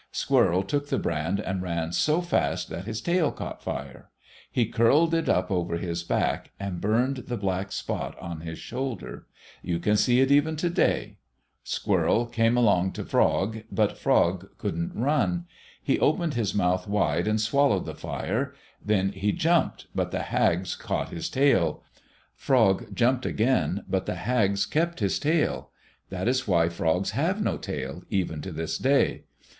Squirrel took the brand and ran so fast that his tail caught fire. He curled it up over his back, and burned the black spot in his shoulders. You can see it even to day. Squirrel came to Frog, but Frog couldn't run. He opened his mouth wide and swallowed the fire. Then he jumped but the hags caught his tail. Frog jumped again, but the hags kept his tail. That is why Frogs have no tail, even to this day.